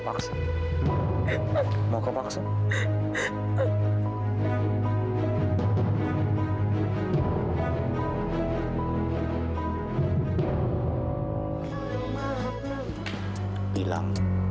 dikeras lagi dong